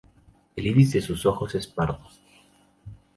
El iris de sus ojos es pardo.